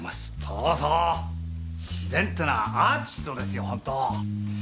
そうそう自然ってのはアーティストですよホント。